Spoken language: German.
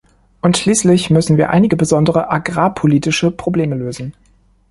Und schließlich müssen wir einige besondere agrarpolitische Probleme lösen.